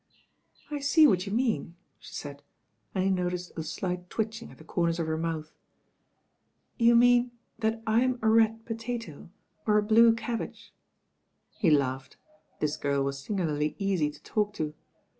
"I see what you mean," she said, and he noticed a slight twitching at the corners of her mouth. "You mean that I'm a red potato, or a blue cab bage." He laughed. This gprl was singularly easy to talk to.